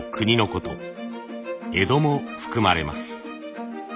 江戸も含まれます。